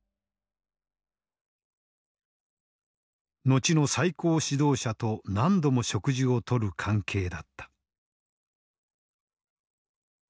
後の最高指導者と何度も食事をとる関係だった。